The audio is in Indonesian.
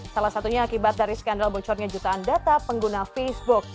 salah satunya akibat dari skandal bocornya jutaan data pengguna facebook